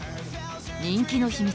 人気の秘密